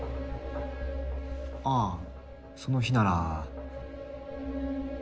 ああその日なら。